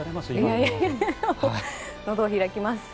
のど、開きます。